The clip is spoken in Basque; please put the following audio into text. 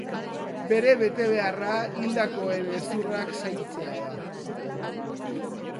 Bere betebeharra hildakoen hezurrak zaintzea da.